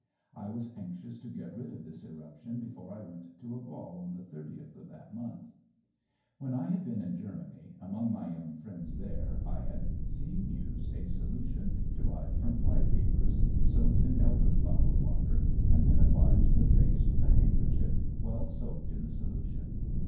I was anxious to get rid of this eruption before I went to a ball on the 30th of that month. When I had been in Germany, among my young friends there, I had seen used a solution derived from flypapers soaked in elder flower water, and then applied to the face with a handkerchief well soaked in the solution.